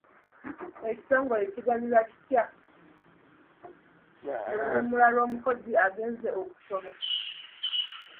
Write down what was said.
Ekitongole kiganyulwa kitya mu luwummula lw'omukozi agenze okusoma?